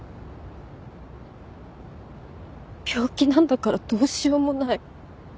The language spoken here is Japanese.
病気なんだからどうしようもない。